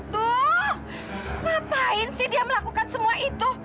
tuh ngapain sih dia melakukan semua itu